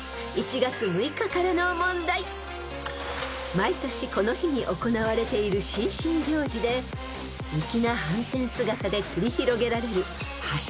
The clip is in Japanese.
［毎年この日に行われている新春行事で粋なはんてん姿で繰り広げられる］